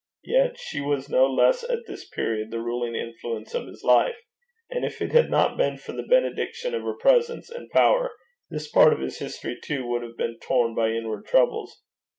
Yet she was no loss at this period the ruling influence of his life; and if it had not been for the benediction of her presence and power, this part of his history too would have been torn by inward troubles.